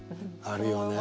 あるよね